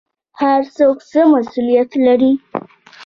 هر څوک څه مسوولیت لري؟